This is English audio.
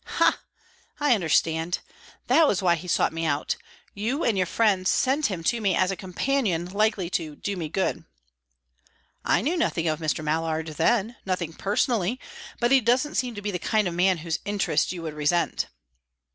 "Ha! I understand. That was why he sought me out. You and your friends sent him to me as a companion likely to 'do me good.'" "I knew nothing of Mr. Mallard then nothing personally. But he doesn't seem to be the kind of man whose interest you would resent."